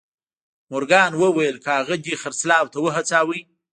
مورګان وويل که هغه دې خرڅلاو ته وهڅاوه.